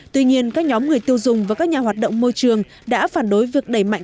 tuy nhiên các nhóm người tiêu dùng và các nhà hoạt động môi trường đã phản đối việc đẩy mạnh